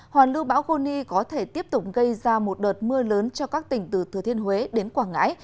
hoàn lưu bão goni có thể tiếp tục gây ra một đợt mưa lớn cho các tỉnh từ thừa thiên huế đến quảng ngãi